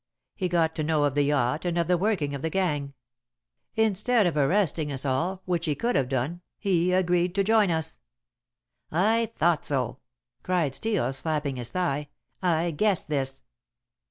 He got to know of the yacht and of the working of the gang. Instead of arresting us all, which he could have done, he agreed to join us." "I thought so!" cried Steel, slapping his thigh. "I guessed this."